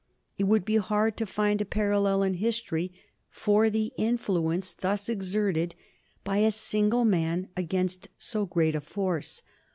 It would be hard to find a parallel in history for the influence thus exerted by a single man against so great a force.